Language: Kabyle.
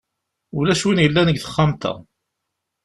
Ulac win yellan deg texxamt-a.